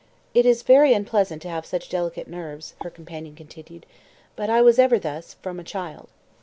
"It is very unpleasant to have such delicate nerves," her companion continued; "but I was ever thus from a child."